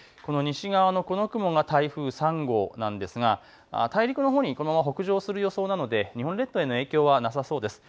この西側のこの雲は台風３号なんですが、大陸のほうにこのまま北上する予想なので日本列島への影響はなさそうです。